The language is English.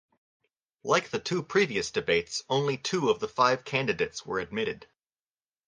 Like the two previous debates, only two of the five candidates were admitted.